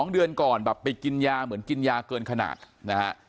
๒เดือนก่อนแบบไปกินยาเหมือนกินยาเกินขนาดนะฮะ